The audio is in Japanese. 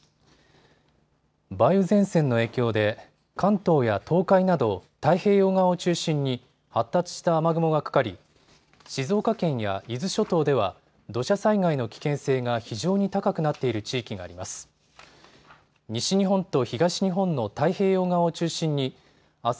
梅雨前線の影響で関東や東海など太平洋側を中心に発達した雨雲がかかり静岡県や伊豆諸島では土砂災害の危険性が非常に高くなっている地域があります。